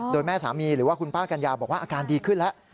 โดยแม่สามีหรือว่าคุณป้ากัญญาบอกว่าอาการดีขึ้นแล้ว